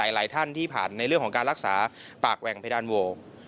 หลายท่านที่ผ่านในเรื่องของการรักษาปากแหว่งเพดานโว